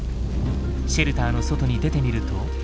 シェルターの外に出てみると。